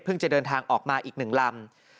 จะเดินทางออกมาอีก๑ลำ